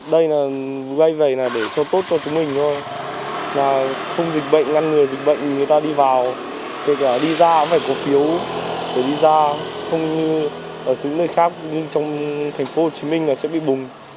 đây là gây vầy là để cho tốt cho chúng mình thôi là không dịch bệnh ngăn người dịch bệnh người ta đi vào kể cả đi ra cũng phải có phiếu để đi ra không như ở tất cả những nơi khác như trong thành phố hồ chí minh là sẽ bị bùng